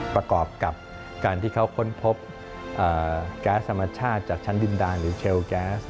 ประกอบกับการที่เขาค้นพบแก๊สธรรมชาติจากชั้นดินดาหรือเชลแก๊ส